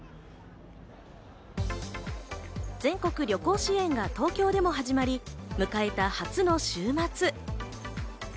全国旅行支援が東京でも始まり、迎えた初の週末。